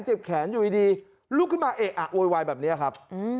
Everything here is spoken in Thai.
เจ็บแขนอยู่ดีลุกขึ้นมาเอะอะโวยวายแบบนี้ครับ